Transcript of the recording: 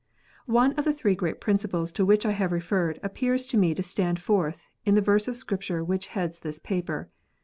One of the three great principles to which I have referred appears to me to stand forth in the verse of Scripture which heads this paper.